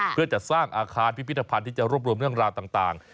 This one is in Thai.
เพื่อจัดสร้างอาคารพิพิธภัณฑ์ที่จะรวบรวมเรื่องราวต่าง